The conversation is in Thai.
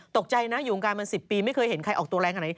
ตกใจนะอยู่วงการมา๑๐ปีไม่เคยเห็นใครออกตัวแรงขนาดนี้